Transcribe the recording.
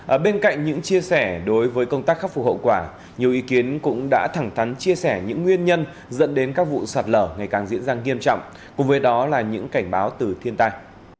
ở bên cạnh những chia sẻ đối với công tác khắc phục hậu quả nhiều ý kiến cũng đã thẳng thắn chia sẻ những nguyên nhân dẫn đến các vụ sạt lở ngày càng diễn ra nghiêm trọng cùng với đó là những cảnh báo từ thiên tai